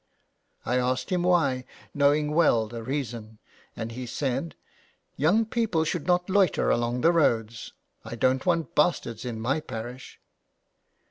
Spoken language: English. I asked him why, knowing well the reason, and he said :—" Young people should not loiter along the roads. I don't want bastards in my parish."